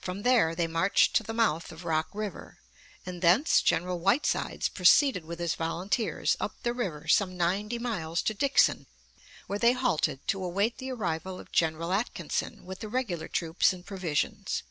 From there they marched to the mouth of Rock River, and thence General Whitesides proceeded with his volunteers up the river some ninety miles to Dixon, where they halted to await the arrival of General Atkinson with the regular troops and provisions.